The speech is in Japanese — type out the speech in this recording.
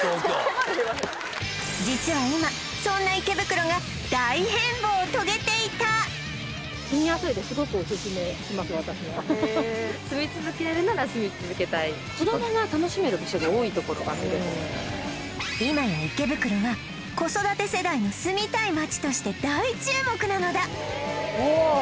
実は今そんなを遂げていた今や池袋は子育て世代の住みたい街として大注目なのだわあ！